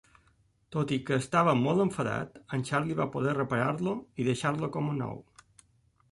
Tot i que estava molt enfadat, en Charlie va poder reparar-lo i deixar-lo com nou.